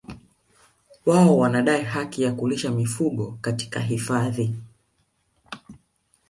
Wao wanadai haki ya kulisha mifugo katika katika hifadhi